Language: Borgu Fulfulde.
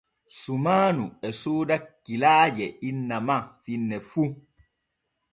Sumaanu e sooda kilaaje inna ma finne fu.